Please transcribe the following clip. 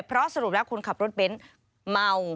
เพราะสรุปแล้วคนขับรถเบนท์เมา